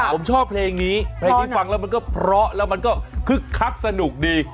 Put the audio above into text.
ผมชอบเพลงนี้เพลงที่ฟังแล้วมันก็เพราะแล้วมันก็คึกคักสนุกดี